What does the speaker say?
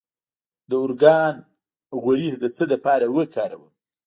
د ارګان غوړي د څه لپاره وکاروم؟